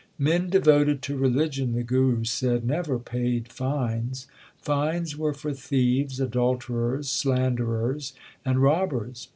Men devoted to religion, the Guru said, never paid fines. Fines were for thieves, adulterers, slanderers, and robbers.